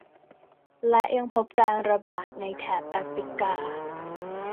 และยังพบการระบาดในแถบแอฟริกา